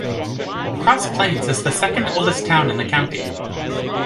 Cross Plains is the second oldest town in the county.